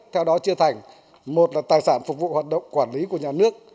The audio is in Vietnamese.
theo đó chia thành một là tài sản phục vụ hoạt động quản lý của nhà nước